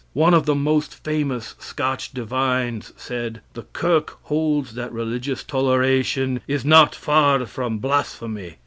One of the most famous Scotch divines said: "The kirk holds that religious toleration is not far from blasphemy."